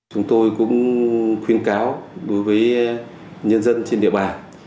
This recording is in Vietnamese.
chúng tôi cũng khuyến cáo đối với nhân dân trên địa bàn